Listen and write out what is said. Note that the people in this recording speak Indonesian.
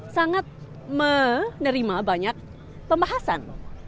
sangat menerima banyak pembahasan